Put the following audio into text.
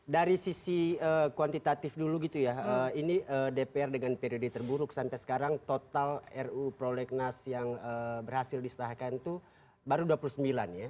dari sisi kuantitatif dulu gitu ya ini dpr dengan periode terburuk sampai sekarang total ruu prolegnas yang berhasil disahkan itu baru dua puluh sembilan ya